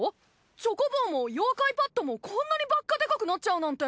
チョコボーも妖怪パッドもこんなにばっかでかくなっちゃうなんて。